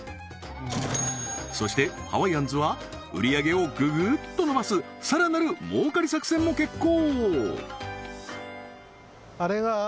そしてハワイアンズは売り上げをぐぐっと伸ばすさらなる儲かり作戦も決行！